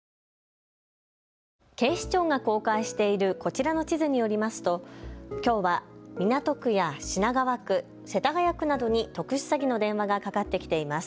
警視庁が公開しているこちらの地図によりますときょうは港区や品川区、世田谷区などに特殊詐欺の電話がかかってきています。